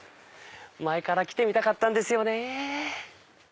前から来てみたかったんですよね。